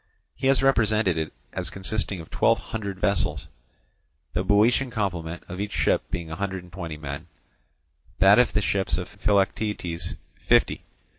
He has represented it as consisting of twelve hundred vessels; the Boeotian complement of each ship being a hundred and twenty men, that of the ships of Philoctetes fifty.